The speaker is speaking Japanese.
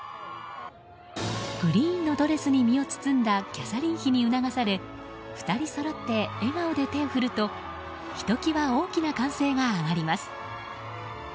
グリーンのドレスに身を包んだキャサリン妃に促され２人そろって笑顔で手を振るとひときわ大きな歓声が上がります。